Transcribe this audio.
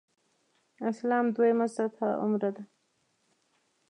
اسلام دویمه سطح عمره ده.